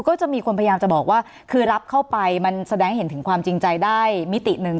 ก็จะมีคนพยายามจะบอกว่าคือรับเข้าไปมันแสดงให้เห็นถึงความจริงใจได้มิติหนึ่ง